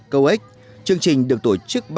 câu ếch chương trình được tổ chức